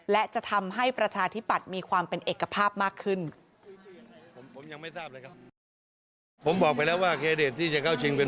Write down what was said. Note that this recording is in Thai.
และจะทำให้ประชาธิปัตย์มีความเป็นเอกภาพมากขึ้น